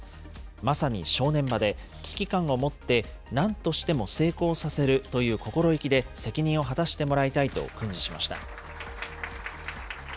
まさに正念場で、危機感を持ってなんとしても成功させるという心意気で責任を果たしてもらいたいと訓示しました。